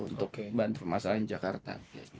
untuk bantu pemasaran di jakarta